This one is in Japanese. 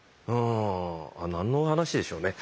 あ何の話でしょうね。